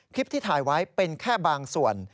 ที่ถ่ายไว้เป็นแค่บางส่วน